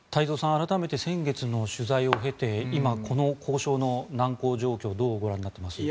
改めて先月の取材を経て今、この交渉の難航状況をどうご覧になっていますか。